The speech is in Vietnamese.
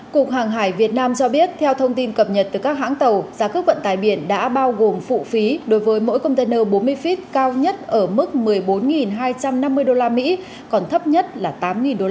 cục hàng hải việt nam cho biết theo thông tin cập nhật từ các hãng tàu giá cước vận tải biển đã bao gồm phụ phí đối với mỗi container bốn mươi feet cao nhất ở mức một mươi bốn hai trăm năm mươi usd còn thấp nhất là tám usd